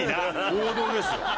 王道ですよ。